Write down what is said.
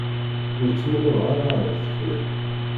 Ur ttmuqquleɣ ara ɣer deffir.